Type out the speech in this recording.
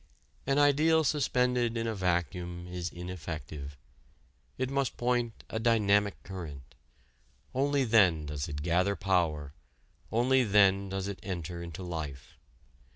An ideal suspended in a vacuum is ineffective: it must point a dynamic current. Only then does it gather power, only then does it enter into life.